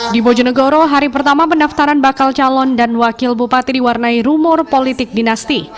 di bojonegoro hari pertama pendaftaran bakal calon dan wakil bupati diwarnai rumor politik dinasti